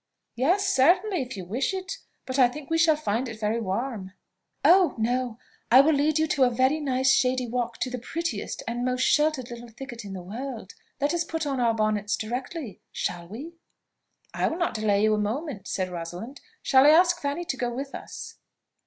"Yes, certainly, if you wish it; but I think we shall find it very warm." "Oh! no. I will lead you a very nice shady walk to the prettiest and most sheltered little thicket in the world. Let us put on our bonnets directly; shall we?" "I will not delay you a moment," said Rosalind. "Shall I ask Fanny to go with us?"